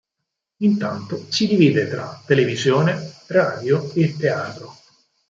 Intanto si divide tra televisione, radio e teatro.